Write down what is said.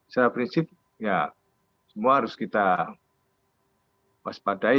secara prinsip ya semua harus kita waspadai